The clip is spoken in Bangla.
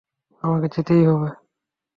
আমাকে যেতেই হবে।